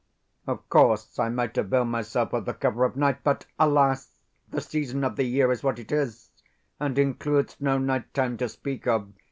Of course, I might avail myself of the cover of night; but, alas! the season of the year is what it is, and includes no night time to speak of.